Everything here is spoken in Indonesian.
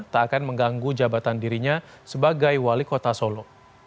tak akan mengganggu jabatan dirinya sebagai wali kota solo